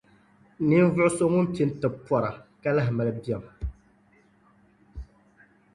Ninvuɣ' so ŋun pini tibu pɔra, ka lahi mali biɛm.